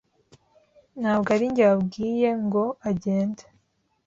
Ntabwo ari njye wabwiye ngo agende